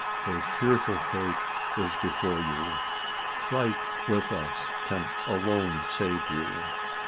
A fearful fate is before you. Flight with us can alone save you.